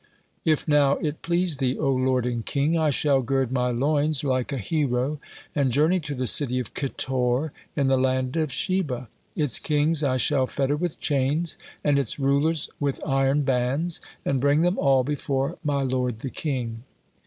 If, now, it please thee, O lord and king, I shall gird my loins like a hero, and journey to the city of Kitor in the land of Sheba. Its kings I shall fetter with chains and its rulers with iron bands, and bring them all before my lord the king."